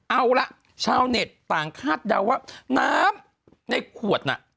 เอาละชาวเน็ตต่างคาดเดาว่าน้ำในขวดน่ะ